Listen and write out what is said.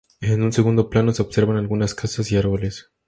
En un segundo plano se observan algunas casas y árboles.